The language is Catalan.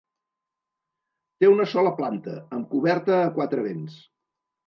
Té una sola planta, amb coberta a quatre vents.